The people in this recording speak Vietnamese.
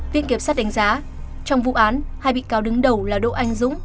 viện kiểm sát đánh giá trong vụ án hai bị cáo đứng đầu là đỗ anh dũng